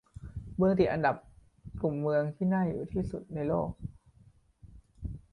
เมืองติดอันดับกลุ่มเมืองที่น่าอยู่ที่สุดในโลก